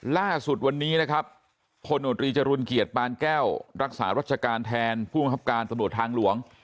ล่าสุดวันนี้นะครับพลโนตรีจรุลเกียรติปานแก้วรักษารัชการแทนผู้บังคับการตำรวจทางหลวง